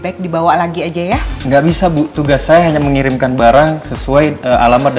terima kasih dibawa lagi aja ya nggak bisa bu tugas saya hanya mengirimkan barang sesuai alamat